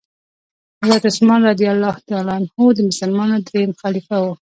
حضرت عثمان رضي الله تعالی عنه د مسلمانانو دريم خليفه وو.